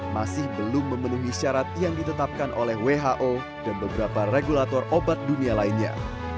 masih belum memenuhi syarat yang ditetapkan oleh who dan beberapa regulator obat dunia lainnya